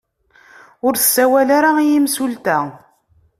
Ur ssawal ara i yimsulta.